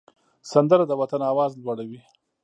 سندره د وطن آواز لوړوي